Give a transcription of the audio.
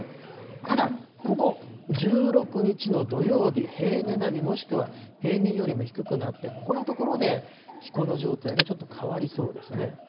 ただ、ここ、１６日の土曜日、平年並み、もしくは平年よりも低くなって、ここのところで気候の状態がちょっと変わりそうですね。